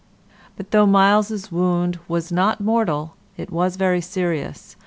But though Myles's wound was not mortal, it was very serious.